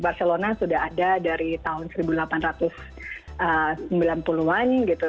barcelona sudah ada dari tahun seribu delapan ratus sembilan puluh an gitu